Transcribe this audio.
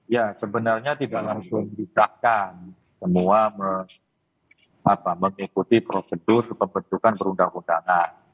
ya sebenarnya tidak langsung disahkan semua mengikuti prosedur pembentukan perundang undangan